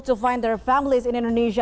untuk menemukan keluarga di indonesia